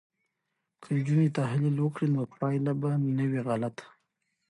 که نجونې تحلیل وکړي نو پایله به نه وي غلطه.